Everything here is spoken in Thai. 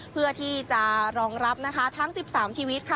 เพื่อที่จะรองรับทั้ง๑๓ชีวิต